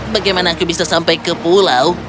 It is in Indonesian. bagaimana aku bisa sampai ke pulau